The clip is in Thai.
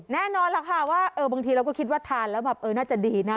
แน่นอนค่ะบางทีเราก็คิดว่าทานแล้วน่าจะดีนะ